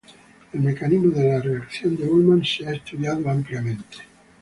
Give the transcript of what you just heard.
El mecanismo de la reacción de Ullmann ha sido ampliamente estudiado.